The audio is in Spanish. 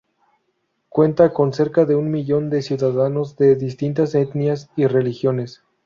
Cuenta con cerca de un millón de ciudadanos de distintas etnias y religiones.